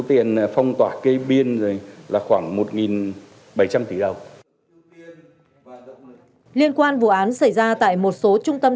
tiền phong tỏa kê biên là khoảng một bảy trăm linh tỷ đồng liên quan vụ án xảy ra tại một số trung tâm